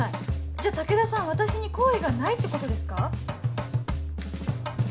じゃあ武田さん私に好意がないってことですか？